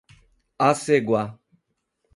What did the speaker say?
Aceguá